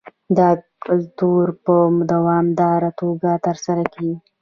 دا کنټرول په دوامداره توګه ترسره کیږي.